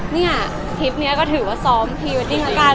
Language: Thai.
เนี่ยทริปนี้ก็ถือว่าซ้อมพรีเวดดิ้งแล้วกัน